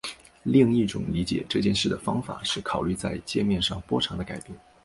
另一种理解这件事的方法是考虑在界面上波长的改变。